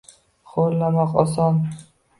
Xoʻrlamoq oson